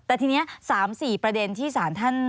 แต่ทีนี้๓๔ประเด็นที่สารท่าน